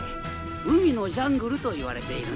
海のジャングルといわれているんだよ。